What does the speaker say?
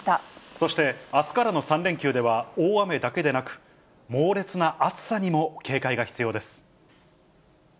そして、あすからの３連休では、大雨だけでなく、猛烈な暑さにも警戒が必要です。